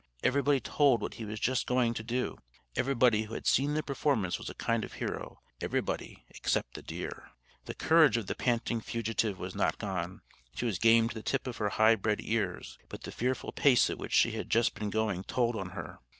Everybody told what he was just going to do! everybody who had seen the performance was a kind of hero everybody except the deer. The courage of the panting fugitive was not gone: she was game to the tip of her high bred ears. But the fearful pace at which she had just been going told on her.